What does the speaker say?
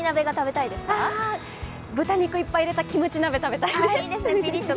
豚肉をいっぱい入れたキムチ鍋が食べたいです。